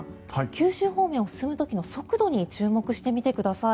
九州方面を進む時の速度に注目してみてください。